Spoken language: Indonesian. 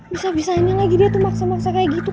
bisa bisainya lagi dia tuh maksa maksa kayak gitu